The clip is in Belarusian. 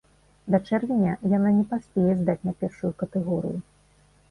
Да чэрвеня яна не паспее здаць на першую катэгорыю.